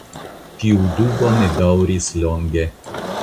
Tiu dubo ne daŭris longe.